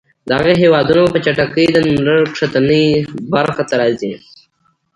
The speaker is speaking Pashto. دغه هېوادونه به په چټکۍ د نوملړ ښکتنۍ برخې ته راځي.